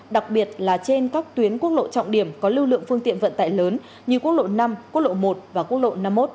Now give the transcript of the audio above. đặc biệt là trên các tuyến quốc lộ trọng điểm có lưu lượng phương tiện vận tải lớn như quốc lộ năm quốc lộ một và quốc lộ năm mươi một